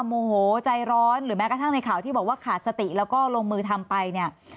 โมโหใจร้อนหรือแม้กระทั่งในข่าวที่บอกว่าขาดสติแล้วก็ลงมือทำไปเนี่ย